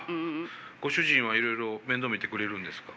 ご主人はいろいろ面倒見てくれるんですか？